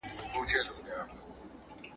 آیا نفوس زیاتوالی د قدرت نښه ده؟